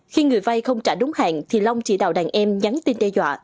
khi người vay không trả đúng hạn thì long chỉ đạo đàn em nhắn tin đe dọa